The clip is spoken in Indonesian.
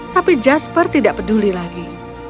tapi jasper tidak peduli lagi